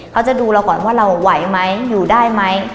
เขาจะดูเราก่อนว่าเราไหวไหมอยู่ได้ไหม